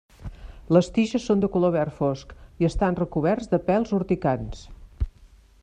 Les tiges són de color verd fosc i estan recoberts de pèls urticants.